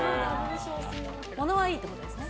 ものはいいってことですね。